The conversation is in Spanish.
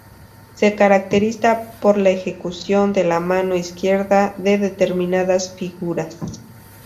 Se caracteriza por la ejecución con la mano izquierda de determinadas figuras.